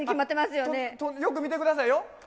よく見てくださいよ。